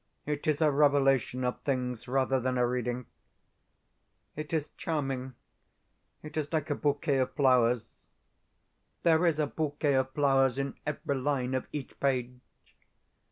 It is a revelation of things rather than a reading. It is charming, it is like a bouquet of flowers there is a bouquet of flowers in every line of each page.